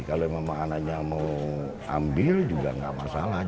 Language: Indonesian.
kalau memang anaknya mau ambil juga nggak masalah